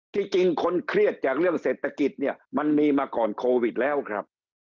ที่จริงคนเครียดจากเรื่องเศรษฐกิจเนี่ยมันมีมาก่อนโควิดแล้วครับ